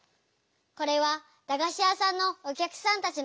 これはだがし屋さんのおきゃくさんたちの写真です。